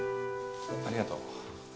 ありがとう。